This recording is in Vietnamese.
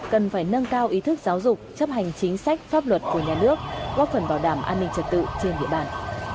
cần phải nâng cao ý thức giáo dục chấp hành chính sách pháp luật của nhà nước góp phần bảo đảm an ninh trật tự trên địa bàn